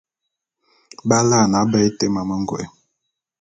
B’alaene aba été mamə ngôé.